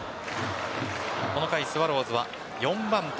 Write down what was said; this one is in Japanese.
この回、スワローズは４番手